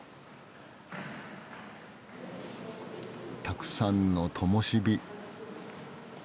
たくさんのともしび。